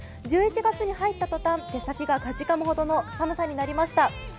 １１月に入ったとたん、手先がかじかむほどの寒さになりました。